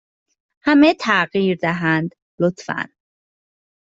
همه تغییر دهند، لطفا.